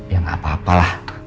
ya nggak apa apa lah